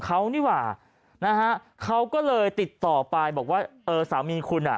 เขานี่หว่านะฮะเขาก็เลยติดต่อไปบอกว่าเออสามีคุณอ่ะ